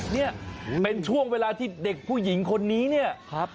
เนี่ยเป็นช่วงเวลาที่เด็กผู้หญิงคนนี้เนี่ยครับ